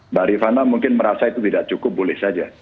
mbak rifana mungkin merasa itu tidak cukup boleh saja